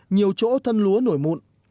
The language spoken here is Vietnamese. nhiều chỗ thân lúa nổi mụn